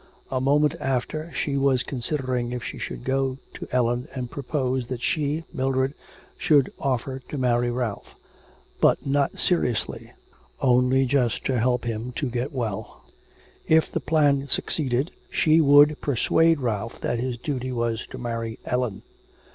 ... A moment after she was considering if she should go to Ellen and propose that she, Mildred, should offer to marry Ralph, but not seriously, only just to help him to get well. If the plan succeeded she would persuade Ralph that his duty was to marry Ellen.